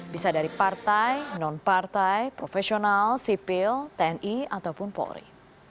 bisa dari partai non partai profesional sipil tni ataupun polri